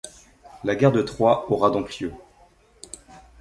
La guerre de Troie aura donc lieu.